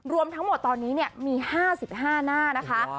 รวมทั้งหมดตอนนี้มี๕๕หน้านะคะ